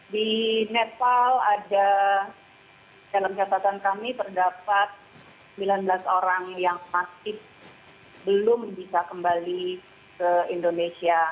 di nepal ada dalam catatan kami terdapat sembilan belas orang yang masih belum bisa kembali ke indonesia